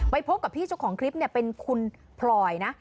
ไปพบกับพี่เจ้าของคลิปเป็นคุณพลอยนะ